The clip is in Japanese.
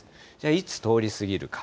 いつ通り過ぎるか。